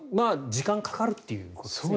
時間がかかるということですね。